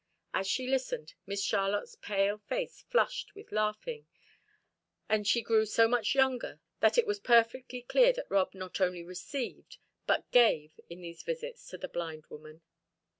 As she listened Miss Charlotte's pale face flushed with laughing, and she grew so much younger that it was perfectly clear that Rob not only received, but gave in these visits to the blind woman.